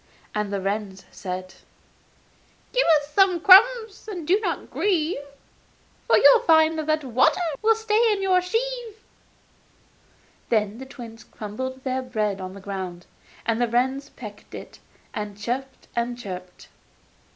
And the wrens said: 'Give us some crumbs, then you need not grieve. For you'll find that water will stay in the sieve.' Then the twins crumbled their bread on the ground, and the wrens pecked it, and chirruped and chirped.